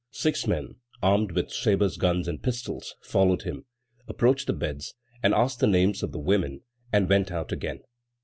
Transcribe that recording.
Six men, armed with sabres, guns, and pistols, followed him, approached the beds, asked the names of the women, and went out again.